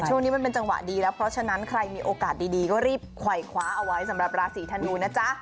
ช่วงนี้มันเป็นจังหวะดีแล้วเพราะฉะนั้นใครมีโอกาสดีก็รีบไขวคว้าเอาไว้สำหรับราศีธนูนะจ๊ะ